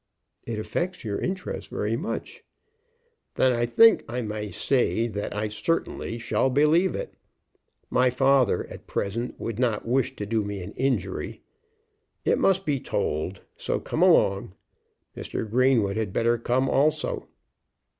"It affects your interests very much." "Then I think I may say that I certainly shall believe it. My father at present would not wish to do me an injury. It must be told, so come along. Mr. Greenwood had better come also."